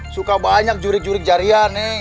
suka banyak jurik jurik jarihan nih